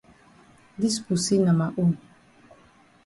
Dis pussy na ma own.